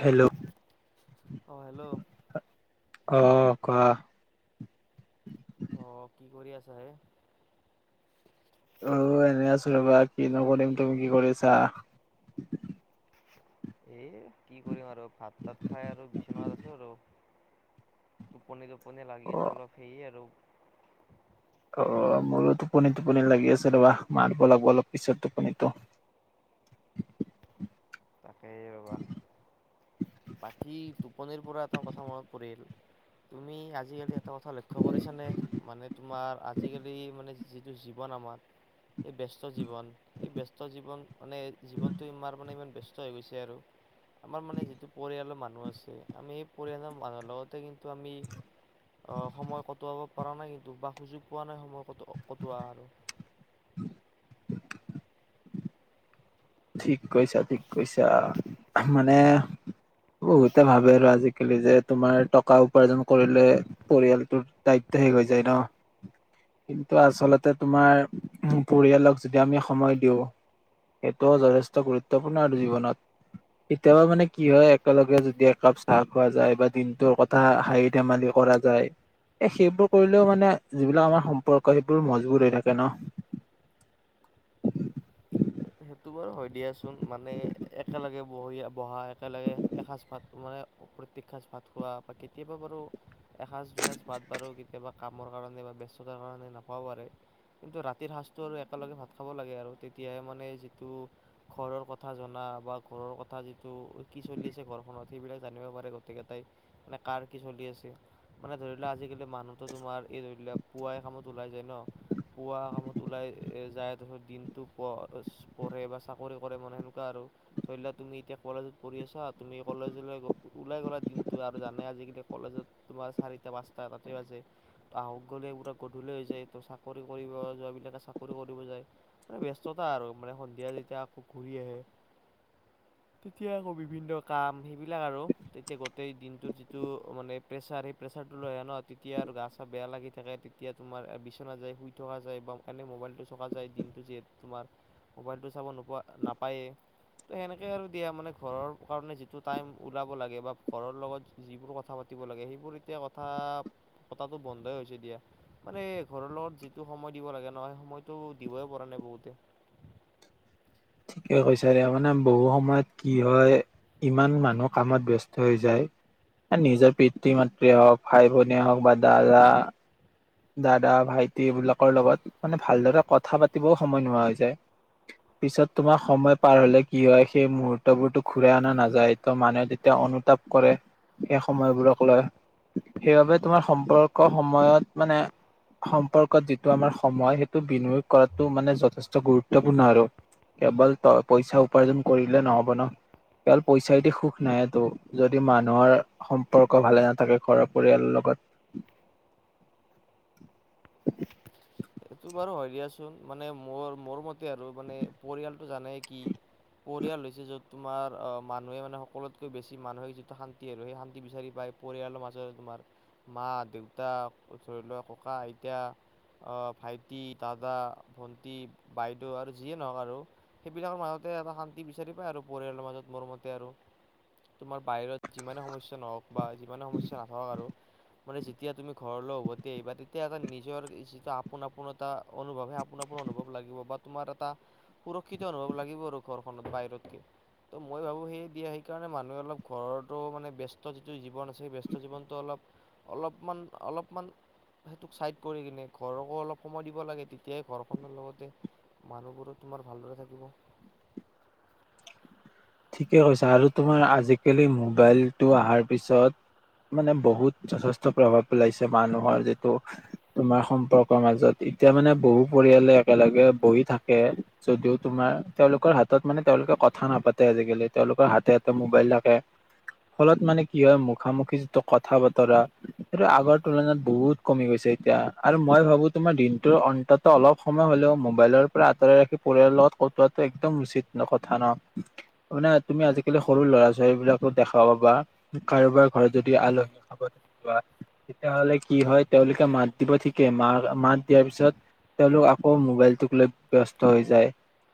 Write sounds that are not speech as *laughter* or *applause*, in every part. Hello অঁ hello অ কোৱা অঁহ কি কৰি আছা হে অ, এনেই আছো ৰবা কি নকৰিম তুমি কি কৰিছা। এ কি কৰিম আৰু ভাত তাত খাই আৰু বিচনাত আছো আৰু টোপনি- টোপনি অ লাগি আছে অলপ সেইৰি আৰু অ, মোৰো টোপনি- টোপনি লাগি আছে ৰবা মাৰিব লাগিব অলপ পিছত টোপনিটো। *unintelligible* তাকে বাবা বাকী টোপনিৰ পৰা এটা কথা মনত পৰিল। *inaudible* তুমি আজিকালি এটা কথা লক্ষ্য কৰিছানে মানে তোমাৰ আজিকালি মানে যিটো জীৱন আমাৰ এই বস্ত জীৱন এই বস্ত জীৱন মানে জীৱনটো ইমাৰ মানে ইমান বস্ত গৈছে আৰু আমাৰ মানে যিটো পৰিয়ালৰ মানুহ মান আ আমি সেই পৰিয়ালৰ মানুহৰ লগতে কিন্তু আমি অহ', সময় কটোৱাব পৰা নাই কিন্তু বা সুযোগ পোৱা নাই সময় ক কটোৱা আৰু *unintelligible* ঠিক কৈছা ঠিক কৈছা মানে বহুতে ভাবে আৰু আজিকালি যে তোমাৰ টকা উপাৰ্জন কৰিলে পৰিয়ালটোৰ দায়িত্ব শেষ হৈ যায় ন কিন্তু আচলতে তোমাৰ পৰিয়ালক যদি আমি সময় দিওঁ সেইটোও যথেষ্ট গুৰুত্বপূৰ্ণ আৰু জীৱনত কেতিয়াবা মানে কি হয় একেলগে যদি একাপ চাহ খোৱা যায় বা দিনটোৰ কথা হাহি ধেমালি কৰা যায় এ সেইবোৰ কৰিলেও মানে যিবিলাক আমাৰ সম্পৰ্ক সেইবোৰ মজবুত হৈ থাকে ন উম সেইটো বাৰু হয় দিয়াচোন মানে একেলগে বহি বহা একেলগে এসাঁজ ভাত মানে প্ৰত্যেক সাজ ভাত খোৱা বা কেতিয়াবা বাৰু এসাঁজ দুসাঁজ ভাত বাৰো কেতিয়াবা কামৰ কাৰণে বা ব্যস্ততাৰ কাৰণে নাপাও পাৰে কিন্তু ৰাতিৰ সাঁজটো আৰু একেলগে ভাত খাব লাগে আৰু তেতিয়াহে মানে ঘৰৰ কথা জনা বা ঘৰৰ কথা যিটো কি চলি আছে ঘৰখনত সেইবিলাক জানিব। গোইকেইটাই মানে কাৰ কি চলি আছে মানে ধৰি লওোৱা আজিকালি মানুহতো তোমাৰ এই ধৰি লোৱা পুৱাই কামত ওলাই যায় ন পুৱা কামত ওলাই যায় তাৰপিছত দিনটো প কৰে মানে সেনেকুৱা আৰু ধৰি লা তুমি এতিয়া কলেজত পঢ়ি আছা তুমি কলেজ ওলাই গলা দিনটো আৰু জানে আজিকালি কলেজত তোমাৰ চাৰিটা পাচটা তাতে বাজে। আহক গলে এইবৰা গধূলি হৈ যায় ত চাকৰি কৰিব যোৱাবলাকে চাকৰি কৰিব যায় মানে ব্যস্ততা আৰু মানে সন্ধিয়া যেতিয়া আকৌ ঘূৰি আহে হয়। তেতিয়া আকৌ বিভিন্ন কাম সেইবিলাক আৰু তেতিয়া গোটেই দিনটোত যিটো মানে প্ৰেচাৰ সেই প্ৰেচাৰ লে ন তেতিয়া আৰু গা চা বেয়া লাগি থাকে তেতিয়া তোমাৰ বিচনা যায় শুই থকা যায় বা এনে মোবাইল চোৱা যায় দিনটো যিহেতু তোমাৰ মোবাইলটো চাব নোপোৱা নাপায়েই ত সেনেকে আৰু দিয়া মানে ঘৰৰ কাৰণে যিটো টাইম ওলাব লাগে বা ঘৰৰ লগত যিবোৰ কথা প দিব লাগে সেইবোৰ এতিয়া কথা পতাটো বন্ধই হৈছে দিয়া। মানে ঘৰৰ লগত যিটো সময় দিব লাগে নহ সেই সময়তটো দিবই পৰা নাই বহুতে ঠিকে কৈছাঁ মানে বহু সময়ত কি হয় ইমান মানুহ কামত ব্যস্ত হৈ যায় নিজৰ পিতৃ মাতৃয়ে হওক ভাই ভনীয়ে হওক বা দাদা দাদা ভাইটি এইবিলাকৰ লগত মানে ভালদৰে কথা পাতিবও সময় নোহোৱা হৈ যায়। পিছত তোমাৰ সময় পাৰ হ'লে কি হয় সেই মুহুৰ্তবোৰতো ঘুৰাই আনা নাযায় টো মানে তেত তেওঁ অনুতাপ কৰে, সেই সময়বোৰক লয়। সেইবাবে তোমাৰ সম্পৰ্ক সময়ত মানে সম্পৰ্কত যিটো আমাৰ সময় সেইটো বিনিয়োগ কৰাটো মানে যথেষ্ট গুৰুত্বপূৰ্ণ আৰু। কেৱল পইচা উপাৰ্জন কৰিলে নহ'ব ন' কেৱল পইচাইদি সুখ নাহেটো যদি মানুহৰ সম্পৰ্ক ভালে নাথাকে ঘৰৰ পৰিয়ালৰ লগ লগত। চোৱাচোন মানে মোৰ-মোৰ মতে আৰু মানে পৰিয়ালটো জানেই কি পৰিয়াল হৈছে য'ত তোমাৰ অ' মানুহে মানে সকলোতকৈ বেছি মানসিক যিটো শান্তি আৰু সেই শান্তি বিচাৰি পায় এই পৰিয়ালৰ মাজতে তোমাৰ। মা-দেউতাক আকৌ ধৰি লোৱা ককা-আইতা, অ' ভাইটি-দাদা, ভণ্টি-বাইদেউ আৰু যিয়ে নহওক আৰু সেইবিলাকৰ মাজতে এটা শান্তি শান্তি বিচাৰি পায় আৰু পৰিয়ালৰ মাজত মোৰ মতে আৰু। তোমাৰ বাইৰত যিমানে সমস্যা নহওক বা যিমানে সমস্যা নাথাকক আৰু মানে যেতিয়া তুমি ঘৰলৌ উভতি আহিবা তেতিয়া এটা নিজৰ যিটো আপ আপোন-আপোন এটা অনুভৱ সেই আপোন-আপোন অনুভৱ লাগিব বা তোমাৰ এটা, সুৰক্ষিত অনুভৱ লাগিব আৰু ঘৰ অন্নত বাহিৰত কি? তৌ মই ভাবো সেইয়ে দিয়া সেইকাৰণে মানুহে অলপ ঘৰৰতো মানে ব্যস্ত যিটো জীৱন আছে সেই ব্যস্ত জীৱনটো অলপ অলপমান - অলপমান, সেইটোক চাইড কৰি কিনে ঘৰক অলপ সময় দিব লাগে তেতিয়াহে ঘৰখনৰ লগতে মানুহবোৰো তোমাৰ ভালদৰে থাকিব। *unintelligible* ঠিকে কৈছা আৰু তোমাৰ আজিকালি মোবাইলটো আহাৰ পিছত মানে বহুত যথেষ্ট প্ৰভাৱ পেলাইছে মানুহৰ যিটো, তোমাৰ সম্পৰ্কৰ মাজত এতিয়া মানে বহু পৰিয়ালে একেলগে বহি থাকে, যদিও তোমাৰ তেওঁলোকৰ হাতত মানে তেওঁলোক তৌ কথা নাপাতে আজিকালি তেওঁলোকৰ হাতে-হাতে মোবাইল থাকে ফলত মানে কি হয় মুখামুখি যিটো কথা-বতৰা, সেইটো আগৰ তুলনাত বহুত কমি গৈছ এতিয়া, আৰু মই ভাবো তোমাৰ দিনটোৰ অন্ততত অলপ সময় হলেও মোবাইলৰ পৰা আঁতৰাই ৰাখি পৰিয়ালক কট-কটোৱাটো একদম উচিত নকথা ন। মানে তুমি আজিকালি সৰু ল'ৰা-ছোৱালীবিলাকো দেখাব বা, কাৰোবাৰ ঘৰত যদি আলহী খাব যোৱা, তেতিয়াহলে কি হয় তেওঁলোকে মাত দিব ঠিকে মাৰ মাত দিয়াৰ পিছত তেওঁলোক আকৌ মোবাইলটোক লৈ ব্যস্ত হৈ যায়,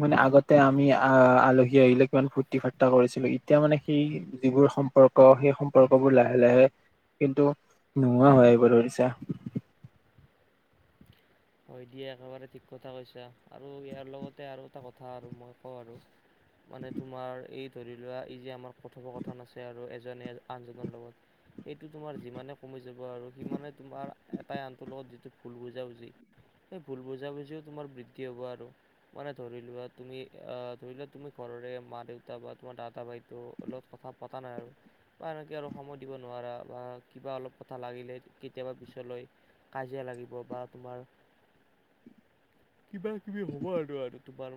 মানে আগতে আমি আ-আলহী হি আহিলে কিমান ফূৰ্তি-ফাৰ্তা কৰিছিলো ইত্যিয়া মানে সেই যিবোৰ সম্পৰ্ক সেই সম্পৰ্কবোৰ লাহে-লাহে কিন্তু, নোহোৱা হৈ আহিব ধৰিছে। হয় দিয়া একেবাৰে ঠিক কথা কৈছা আৰু ইয়াৰ লগতে আৰু এটা কথা আৰু মই কওঁ আৰু মানে তোমাৰ এই ধৰি লোৱা এই যে আমাৰ কথোপ-কথন আছে আৰু এজ জোনে আন-দুজনৰ লগত সেইটো তোমাৰ যিমানে কমি যাব আৰু সিমানে তোমাৰ, এটাই আনটো লগত যিটো ভুল বুজাবুজি এই ভুল বুজাবুজিও তোমাৰ বৃদ্ধি হ'ব আৰু মানে ধৰি লোৱা তুমি আ ধৰিলোৱা তুমি তুমি ঘৰৰে মা-দেউতা বা তোমাৰ দাদা ভাইতিও, লত কথা পাতা নাই আৰু বা এনেকে আৰু সময় দিব নোৱাৰা বা কিবা অলপ কথা লাগিলে কেতিয়াবা পিছলৈ কাজিয়া লাগিব বা তোমাৰ *inaudible* কিবা-কিবি হ'ব আৰু-আৰু তোমাৰ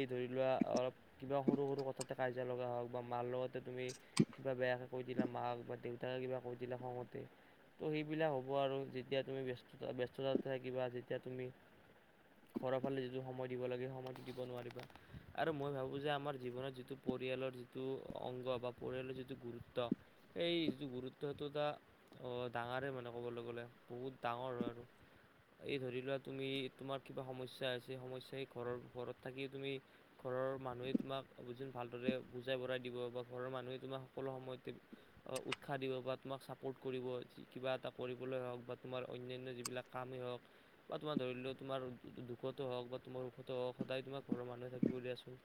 এই ধৰি লোৱা অলপ কিবা সৰু-সৰু কথাতে কাজিয়া লগা হ হওক-বা মাল লগতে তুমি, কিবা বেয়াকে কৈ দিলা মাক বা দেউতাক কিবা কৈ দিলা খঙতে, ত সেইবিলাক হ'ব আৰু যেতিয়া তুমি ব্যস্ততা ব্যস্ততা ঠাই কিবা যেতিয়া তুমি ঘৰৰ ফালে যিটো সময় দিব লাগে সে-সময়তটো দিব নোৱাৰিবা আৰু মই ভাবো যে আমাৰ জীৱনত যিটো প পৰিয়ালৰ যিটো অংগ বা পৰিয়ালৰ যিটো গুৰুত্ব, সেই যিটো গুৰুত্বটো দুটা অ ডাঙাৰে মানে ক'বলৈ গ'লে, বহুত ডাঙৰ ল'ৰাটো *inaudible* এই ধৰি লোৱা তুমি তোমাৰ কিবা সমস্যা আছে সমস্যাই ঘৰৰ ঘৰত থাকি তুমি ঘৰৰ মানুহে তোমাক *unintelligible* ভালদৰে বুজাই বঢ়াই দিব বা ঘৰৰ মানুহে তোমাক সকলো সময়তে উৎসাহ দিব বা তোমাক ছাপৰ্ট কৰিব কিবা এটা কৰিবলৈ হওঁক বা তোমাৰ অন্যান্য যিবিলাক কামেই হওঁক বা তোমাৰ ধৰি লও তোমাৰ দুখতো হওঁক বা তোমাৰ সুখতো হওঁক সদায় তোমাৰ ঘৰৰ মানুহে থাকিব দিয়াচোন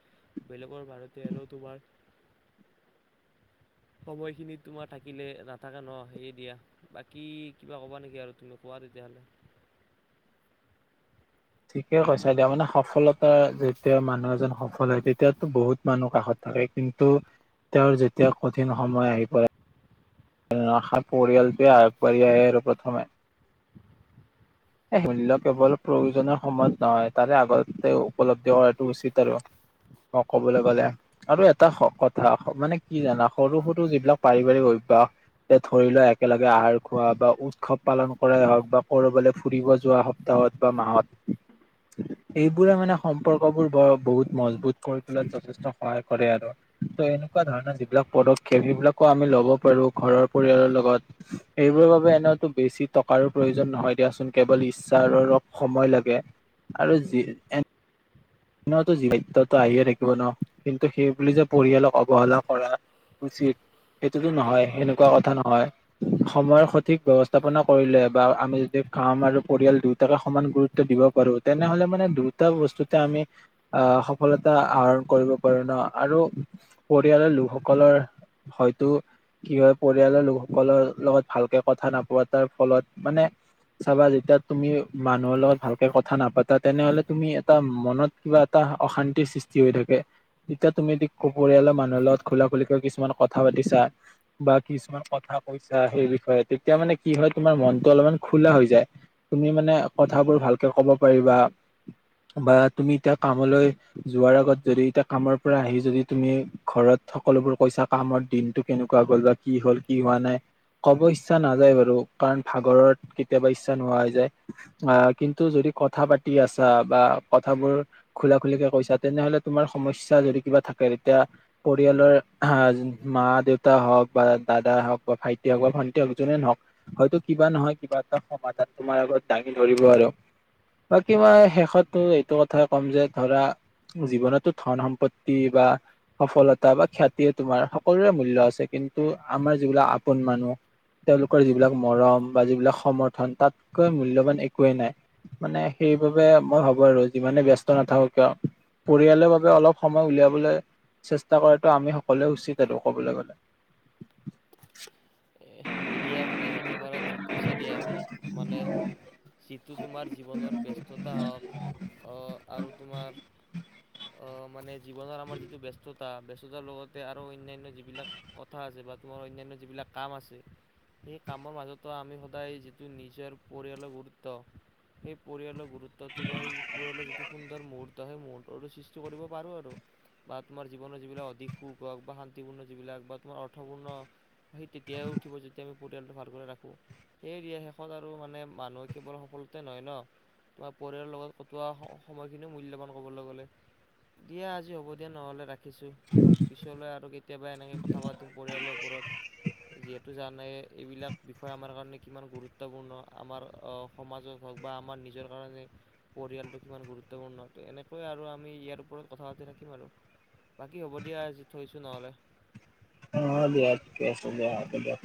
বেলেগৰ ভাৰতে আৰু তোমাৰ *inaudible* সময় খিনিত তোমাৰ থাকিলে নাথাকা ন সেয়ে দিয়া বাকী কিবা কবা নেকি আৰু তুমি কোৱা হ'ব তেতিয়াহ'লে *inaudible* ঠিকে কৈছা দিয়া মানে সফলতা যেতিয়া মানুহ এজন সফল হয় তেতিয়াতো বহুত মানুহ কাষত থাকে কিন্তু তেওঁৰ যেতিয়া কঠিন সময় আহি পৰে আশা পৰিয়ালটোৱে আগবাঢ়ি আহে আৰু প্ৰথমে এহ মূল্য কেৱল প্ৰয়োজনীয় সময়ত নহয় তাৰে আগতেও উপলব্ধি কৰাটো উচিত আৰু অ ক'বলৈ গ'লে আৰু এটা কথা মানে কি জানা সৰু সৰু যিবিলাক পাৰিবাৰিক অ বা তে ধৰি লোৱা একেলগে আহাৰ খোৱা বা উৎসৱ পালন কৰাই হওঁক বা কৰবালৈ ফুৰিব যোৱা সপ্তাহত বা মাহত এইবোৰে মানে সম্পৰ্কবোৰ ব বহুত মজবুত কৰি তোলাত যথেষ্ট সহায় কৰে আৰু ত এনেকুৱা ধৰণৰ যিবিলাক পদক্ষেপ সেইবিলাকো আমি ল'ব পাৰোঁ ঘৰৰ পৰিয়ালৰ লগত এই এইবোৰৰ বাবে এনেওটো বেছি টকাৰ প্ৰয়োজন নহয় দিয়াচোন কেৱল ইচ্ছা আৰু অলপ সময় লাগে আৰু যি এনেওটো জীৱটো আহিয়ে থাকিব ন কিন্তু সেইবুলি যে পৰিয়ালক অৱহেলা কৰা উচিত সেইটোতো নহয় সেনেকুৱা কথা নহয় সময়ৰ সঠিক ব্যৱস্থাপনা কৰিলে বা আমি যদি কাম আৰু পৰিয়াল দুয়োটাকে সমান গুৰুত্ব দিব পাৰো তেনেহলে মানে দুয়োটা বস্তুতে আমি আহ সফলতা আহৰণ কৰিব পাৰো ন আৰু পৰিয়ালৰ লোকসকলৰ হয়তো কি হয় পৰিয়ালৰ লোকসকলোৰ লগত ভালকে কথা নাপতাৰ ফলত মানে চাবা যেতিয়া তুমি মানুহৰ লগত ভালকে কথা নাপাতা তেনেহ'লে তুমি এটা মনত কিবা এটা অশান্তিৰ সৃষ্টি হৈ থাকে। তেতিয়া তুমি এদি পৰিয়ালৰ মানুহৰ লগত খোলা খুলি কৈ কিছুমান কথা পাতিছা বা কিছুমান কথা বা কৈছা সেই বিষয়ে তেতিয়া মানে কি হয় তোমাৰ মনটো অলপমান খোলা হৈ যায় তুমি মানে কথাবোৰ ভালকে ক'ব পাৰিবা বা তুমি এতিয়া কামলৈ যোৱাৰ আগত যদি এতিয়া কামৰ পৰা আহি যদি তুমি ঘৰত সকলোবোৰ কৈছ কামৰ দিনটো কেনেকুৱা হ'ল বা কি হ'ল কি হোৱা নাই ক'ব ইচ্ছা নাযায় বাৰু কাৰণ ভাগৰত কেতিয়াবা ইচ্ছা নোহোৱা হৈ যায় আহ কিন্তু যদি কথা পাতি আছা বা *unintelligible* কথাবোৰ খোলা খুলিকে কৈছা তেনেহ'লে তোমাৰ সমস্যা যদি কিবা থাকে, তেতিয়া পৰিয়ালৰ হাজ মা-দেউতা হওঁক বা দাদা হওঁক বা ভাইটি হওঁক বা ভন্টি হওঁক বা জনে নহওঁক হয়তো কিবা নহয় কিবা এটা সমাধান তোমাৰ আগত দাঙি ধৰিব আৰু বাকী বাই শেষতো এইটো কথাই ক'ম যে ধৰা জীৱনতো ধন সম্পত্তি বা সফলতা বা খ্যাতিয়ে তোমাৰ সকলোৰে মূল্য আছে কি কিন্তু আমাৰ যিবিলাক আপোন মানুহ তেওঁলোকৰ যিবিলাক মৰম বা যিবিলাক সমৰ্থন তাতকৈ মূল্যবান একোৱেই নাই। মানে সে সেইবাবে মই ভাবো আৰু যিমানে ব্যস্ত নাথাকো কিয় পৰিয়ালৰ বাবে অলপ সময় উলিয়াবলে চেষ্টা কৰাটো আমি সকলোৱে উচিত আৰু ক'বলে গ'লে। এ হৈ দিয়া মানে একেবাৰে ঠিক কৈছা দিয়া মানে যিটো তোমাৰ জীৱনৰ ব্যস্ততা হওঁক অহ আৰু তোমাৰ অহ মানে জীৱনৰ আমাৰ যিটো ব্যস্তত ব্যস্ততাৰ লগতে আৰু অন্যান্য যিবিলাক কথা আছে বা তোমাৰ অন্যান্য যিবিলাক। কাম আছে সেই পৰিয়ালৰ গুৰুত্বটো বাঢ়ি পৰিয়ালৰ সুন্দৰ মূহুৰ্তত ত *unintelligible* ম অঠাৱন্ন। সেই তেতিয়াই উঠিব যেতিয়া আমি পৰিয়ালটো ভালকৈ ৰাখোঁ। সেইৰিয়া শেষত আৰু মানে মানুহে কেৱল সফল নহয় ন তোমাৰ পৰিয়ালৰ লগত কটোৱা সময়খিনিও মূল্যবান কবলৈ গ'লে। দিয়া আজি হ'ব দিয়া নহ'লে ৰাখ ৰাখিছো পিছলৈ আৰু কেতিয়াবা এনেকে কথা পাতিম পৰিয়ালৰ ওপৰত। যিহেতু জানে আমাৰ নিজৰ কাৰণে পৰিয়ালৰ টো কিমান গুৰুত্ব। বাকী হ'ব দিয়া আজি থৈছো নহ'লে। অ দিয়া ঠিকে আছে। হ'ব দিয়া।